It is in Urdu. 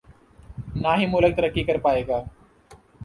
نہ ہی ملک ترقی کر پائے گا۔